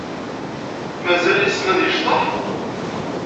Mazal yessen ad yecḍeḥ?